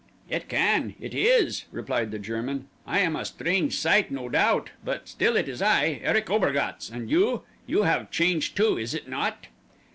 "It can. It is," replied the German. "I am a strange sight, no doubt; but still it is I, Erich Obergatz. And you? You have changed too, is it not?"